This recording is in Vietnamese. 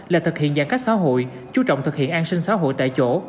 là thực hiện giãn cách xã hội chú trọng thực hiện an sinh xã hội tại chỗ